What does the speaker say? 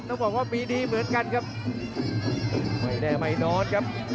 เอาคืนเลยครับ